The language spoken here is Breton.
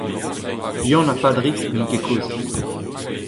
Yann ha Padrig n'int ket kozh.